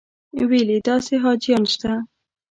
ویل یې داسې حاجیان شته.